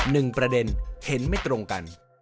หนึ่งประเด็นเห็นไม่ตรงกัน